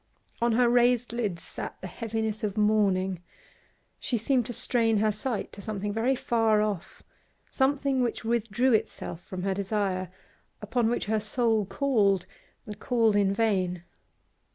On her raised lids sat the heaviness of mourning; she seemed to strain her sight to something very far off, something which withdrew itself from her desire, upon which her soul called and called in vain.